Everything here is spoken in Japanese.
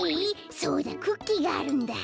そうだクッキーがあるんだ。